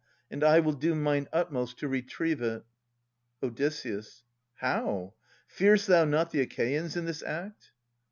And I will do mine utmost to retrieve it. Od. How ? Fear'st thou not the Achaeans in this act